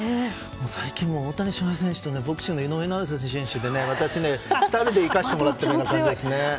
最近、大谷翔平選手とボクシングの井上尚弥選手と私、２人で行かせてもらってるんです。